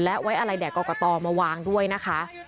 และไว้อะไรแด่กรกตมาวางด้วยนะคะ